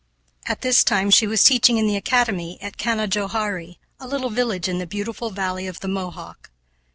At this time she was teaching in the academy at Canajoharie, a little village in the beautiful valley of the Mohawk.